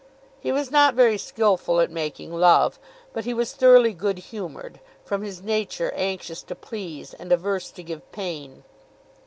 He was not very skilful at making love, but he was thoroughly good humoured, from his nature anxious to please, and averse to give pain.